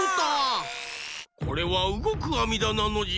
これはうごくあみだなのじゃ。